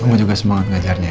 kamu juga semangat ngajarnya ya